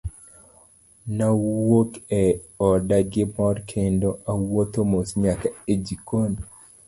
Nawuok e oda gi mor kendo awuotho mos nyaka e jikon.